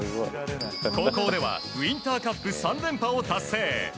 高校ではウインターカップ３連覇を達成。